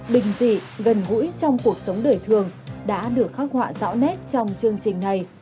bình dị gần gũi trong cuộc sống đời thường đã được khắc họa rõ nét trong chương trình này